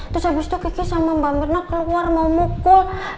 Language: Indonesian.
terus habis itu kecil sama mbak mirna keluar mau mukul